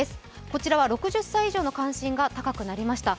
こちらは６０歳以上の関心が高くなりました。